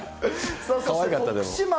かわいかった、でも。